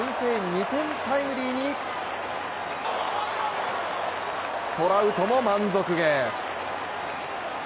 ２点タイムリーにトラウトも満足げ。